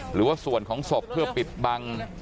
หรือว่าส่วนของศพเพื่อปิดบัง